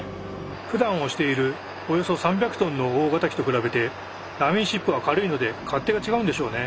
ふだん押しているおよそ３００トンの大型機と比べてダミーシップは軽いので勝手が違うんでしょうね。